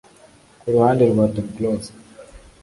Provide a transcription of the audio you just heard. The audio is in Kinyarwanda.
Ku ruhande rwa Tom Close